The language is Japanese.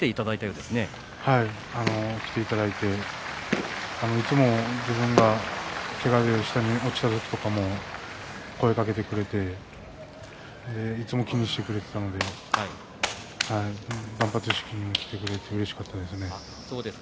見に来ていただいて自分が、けがで下に落ちた時に声かけてくれていつも気にしてくれていたんで断髪式に来てくれてうれしかったです。